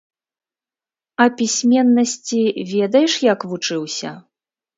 А пісьменнасці ведаеш як вучыўся?